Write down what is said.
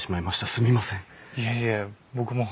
すみません。